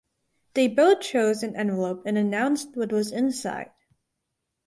They both chose an envelope and announced what was inside.